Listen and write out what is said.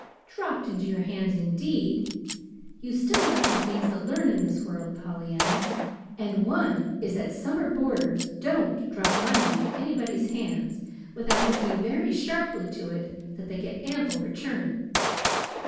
"Dropped into your hands, indeed! You still have some things to learn in this world, Pollyanna, and one is that summer boarders don't drop money into anybody's hands without looking very sharply to it that they get ample return.